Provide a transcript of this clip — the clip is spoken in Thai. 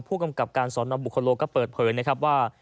ผู้กำกับการสอนอบุคโลก็เปิดเผยนะครับว่า